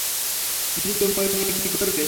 মৃত ময়ূর নিয়ে কী করবে?